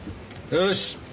よし！